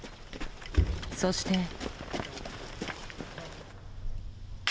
そして。